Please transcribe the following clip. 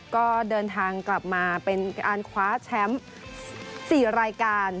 ก็เดินทางกลับมาเป็นการคว้าแชมป์๔รายการ